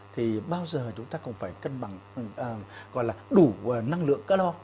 thì bao giờ chúng ta cũng phải cân bằng gọi là đủ năng lượng ca lo